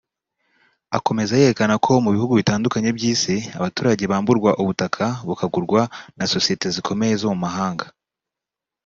Akomeza yerekana ko mu bihugu bitandukanye by’isi abaturage bamburwa ubutaka bukagurwa na sosiyete zikomeye zo mu mahanga